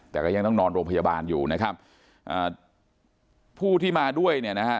แต่ก็ยังต้องนอนโรงพยาบาลอยู่นะครับอ่าผู้ที่มาด้วยเนี่ยนะฮะ